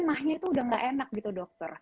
ma nya itu udah gak enak gitu dokter